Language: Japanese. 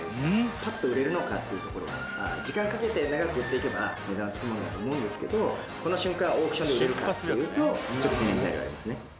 ぱっと売れるのかっていうところ、時間かけて長く売っていけば、値段がつくものだと思うんですけど、この瞬間、オークションで売れるかっていうと、ちょっと懸念材料がありますね。